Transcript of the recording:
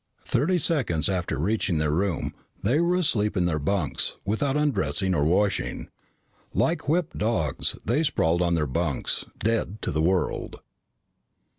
Thirty seconds after reaching their room, they were asleep in their bunks, without undressing or washing. Like whipped dogs, they sprawled on their bunks, dead to the world.